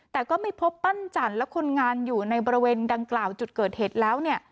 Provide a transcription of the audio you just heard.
แต่ก็ไม่พบปั้นจันทร์และคนงานอยู่ในบริเวณดังกล่าวจุดเกิดเหตุแล้วเนี่ย